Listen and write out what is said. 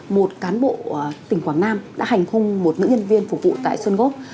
một cán bộ tỉnh quảng nam đã hành hung một nữ nhân viên phục vụ tại xuân gốc